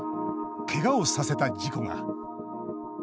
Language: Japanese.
けがをさせた事故が。